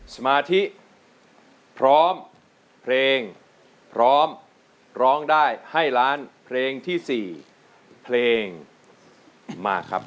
สมาธิพร้อมเพลงพร้อมร้องได้ให้ล้านเพลงที่๔เพลงมาครับ